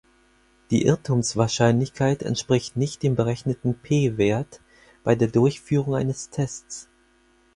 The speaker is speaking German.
Die Irrtumswahrscheinlichkeit entspricht nicht dem berechneten p-Wert bei der Durchführung eines Tests.